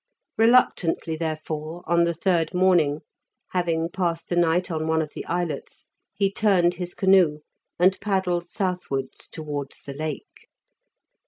Reluctantly, therefore, on the third morning, having passed the night on one of the islets, he turned his canoe, and paddled southwards towards the Lake.